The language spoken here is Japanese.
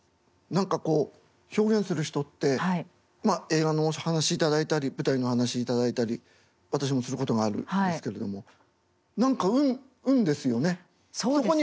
何かこう表現する人って映画のお話頂いたり舞台のお話頂いたり私もすることがあるんですけれども何か運ですよね。